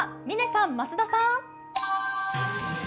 嶺さん、増田さん。